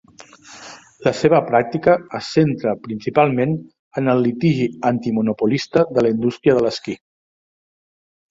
La seva pràctica es centra principalment en el litigi antimonopolista de la indústria de l'esquí.